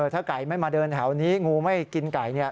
ถ้าไก่ไม่มาเดินแถวนี้งูไม่กินไก่เนี่ย